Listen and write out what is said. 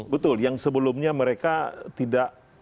betul yang sebelumnya mereka tidak